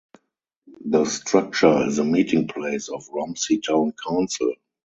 The structure is the meeting place of Romsey Town Council.